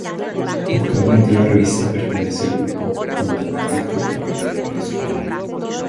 Actualmente la revista pertenece al grupo Mondadori de la familia Berlusconi.